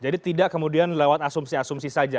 jadi tidak kemudian lewat asumsi asumsi saja